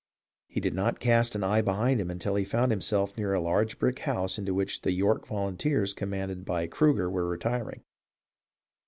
He did not cast an eye behind him until he found himself near a large brick house into which the York volunteers com manded by Cruger were retiring.